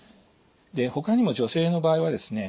ほかにも女性の場合はですね